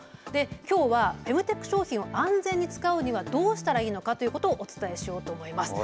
きょうはフェムテック商品を安全に使うにはどうしたらいいのかということをお伝えしようと思います。